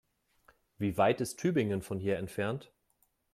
Wie weit ist Tübingen von hier entfernt?